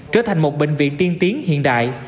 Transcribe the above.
trở thành một bệnh viện tiên tiến hiện đại